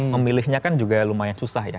memilihnya kan juga lumayan susah ya